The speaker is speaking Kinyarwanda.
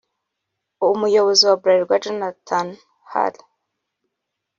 Umuyobozi wa Bralirwa Jonathan Hall